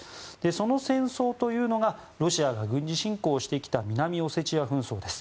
その戦争というのがロシアが軍事侵攻をしてきた南オセチア紛争です。